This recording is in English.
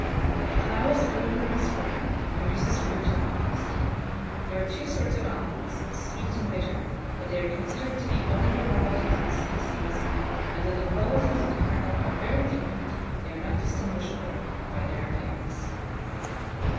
It flowers early in the spring, and produces fruit in August. There are two sorts of almonds, sweet and bitter; but they are considered to be only varieties of the species; and though the qualities of the kernels are very different, they are not distinguishable by their appearance.